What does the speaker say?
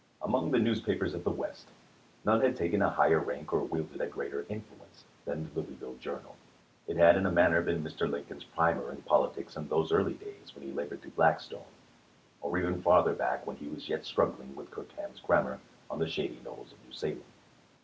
Among the newspapers of the West, none had taken a higher rank or wielded a greater influence than the " Louisville Journal." It had in a man ner been Mr. Lincoln's primer in politics in those early days when he labored through Blackstone, or even farther back when he was yet struggling with Kirkham's grammar on the shady knolls of New Salem.